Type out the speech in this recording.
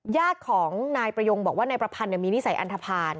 ญาติของนายประยงบอกว่านายประพันธ์มีนิสัยอันทภาณ